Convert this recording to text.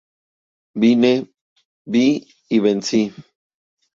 Vine, vi y vencí